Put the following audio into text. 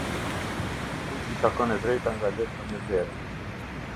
Kujt i takon e drejta nga letra me vlerë.